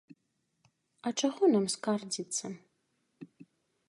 А чаго нам скардзіцца?